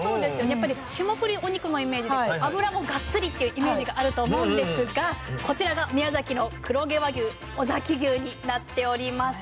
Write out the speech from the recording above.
やっぱり霜降りお肉のイメージで脂もがっつりっていうイメージがあると思うんですがこちらが宮崎の黒毛和牛尾崎牛になっております。